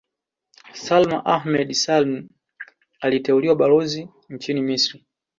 Salim Ahmed Salim aliteuliwa Balozi nchini Misri